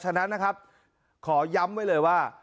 ฉะนั้นนะครับขอย้ำไว้เลยว่า